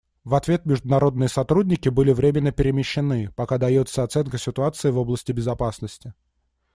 В ответ международные сотрудники были временно перемещены, пока дается оценка ситуации в области безопасности.